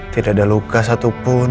tidak ada luka satupun